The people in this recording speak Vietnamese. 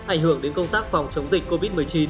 ảnh hưởng đến công tác phòng chống dịch covid một mươi chín